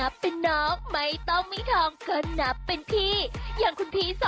ก็จริงที่ต้องใจเข้าที่ยังไง